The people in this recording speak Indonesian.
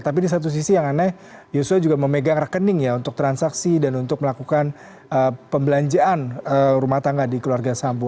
tapi di satu sisi yang aneh yosua juga memegang rekening ya untuk transaksi dan untuk melakukan pembelanjaan rumah tangga di keluarga sambo